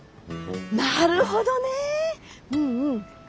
なるほどねぇうんうん。